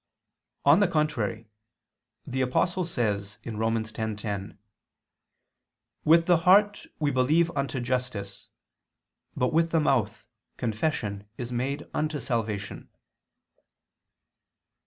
On the contrary, The Apostle says (Rom. 10:10): "With the heart we believe unto justice; but with the mouth, confession is made unto salvation."